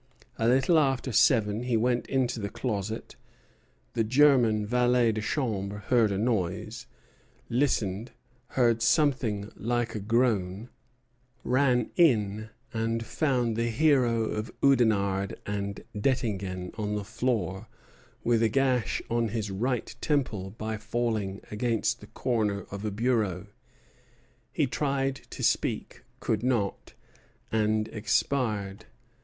A little after seven he went into the closet; the German valet de chambre heard a noise, listened, heard something like a groan, ran in, and found the hero of Oudenarde and Dettingen on the floor with a gash on his right temple by falling against the corner of a bureau. He tried to speak, could not, and expired.